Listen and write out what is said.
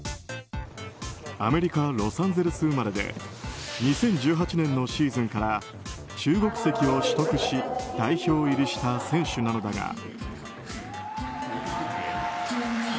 アメリカ・ロサンゼルス生まれで２０１８年のシーズンから中国籍を取得し代表入りした選手なのだが。